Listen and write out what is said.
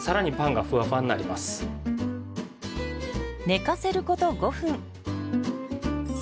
寝かせること５分。